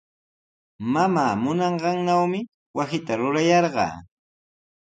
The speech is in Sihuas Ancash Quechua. Mamaa munanqannawmi wasita rurayarqaa.